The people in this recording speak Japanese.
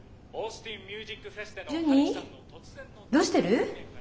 どうしてる？